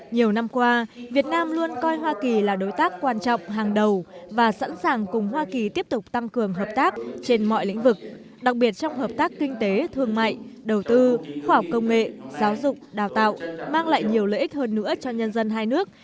nhiều năm qua việt nam luôn coi hoa kỳ là đối tác quan trọng hàng đầu và sẵn sàng cùng hoa kỳ tiếp tục tăng cường hợp tác trên mọi lĩnh vực đặc biệt trong hợp tác kinh tế thương mại đầu tư khoa học công nghệ giáo dục đào tạo mang lại nhiều lợi ích hơn nữa cho nhân dân hai nước